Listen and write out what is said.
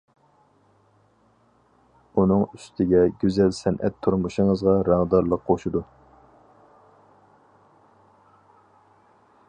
ئۇنىڭ ئۈستىگە گۈزەل سەنئەت تۇرمۇشىڭىزغا رەڭدارلىق قوشىدۇ.